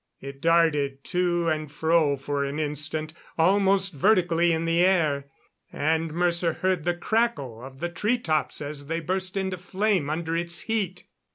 It darted to and fro for an instant, almost vertically in the air, and Mercer heard the crackle of the tree tops as they burst into flame under its heat.